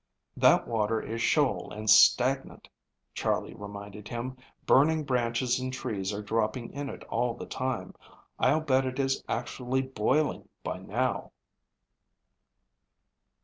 "That water is shoal and stagnant," Charley reminded him. "Burning branches and trees are dropping in it all the time. I'll bet it is actually boiling by now."